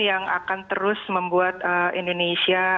yang akan terus membuat indonesia